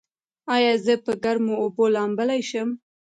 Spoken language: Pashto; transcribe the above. ایا زه په ګرمو اوبو لامبلی شم؟